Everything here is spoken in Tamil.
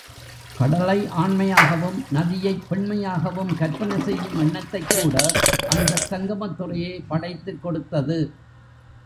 கடலை ஆண்மையாகவும், நதியைப் பெண்மையாகவும் கற்பனை செய்யும் எண்ணத்தைக் கூட அந்தச் சங்கமத்துறையே படைத்துக் கொடுத்தது.